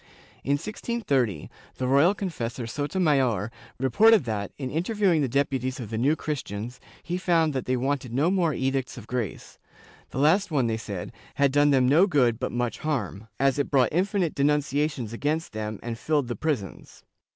^ In 1630, the royal confessor Sotomayor reported that, in interviewing the depu ties of the New Christians, he found that they wanted no more Edicts of Grace; the last one, they said, had done them no good but much harm, as it brought infinite denunciations against them and filled the prisons.